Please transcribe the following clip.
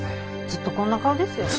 ずっとこんな顔ですよ。